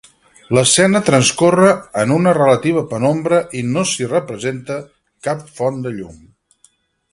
L'escena transcorre en una relativa penombra i no s'hi representa cap font de llum.